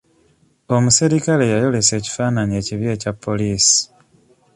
Omuserikale yayolesa ekifaananyi ekibi ekya poliisi.